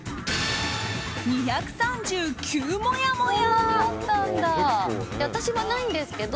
２３９もやもや！